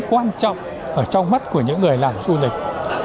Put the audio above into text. quan trọng ở trong mắt của những người làm du lịch